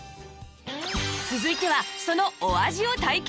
続いてはそのお味を体験